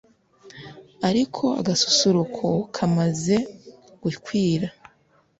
ariko agasusuruko kamaze gukwira,